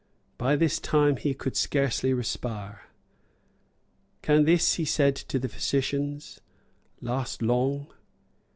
By this time he could scarcely respire. "Can this," he said to the physicians, "last long?"